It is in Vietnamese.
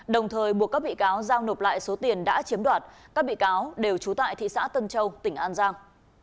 đồng thời buộc các bị cáo giao nộp lại số tiền đã chiếm đoạt các bị cáo đều trú tại thị xã tân châu tỉnh an giang